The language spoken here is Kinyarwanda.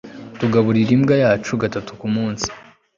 tugaburira imbwa yacu gatatu kumunsi